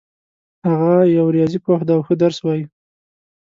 هغه یو ریاضي پوه ده او ښه درس وایي